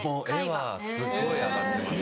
絵はすごい上がってます。